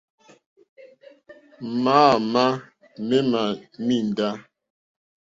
Mǎǃáámà mémá míndǎ.